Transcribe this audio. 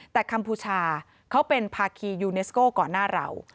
แต่คัมพูชาเขาเป็นภาคียูเนสโก้ก่อนหน้าเรา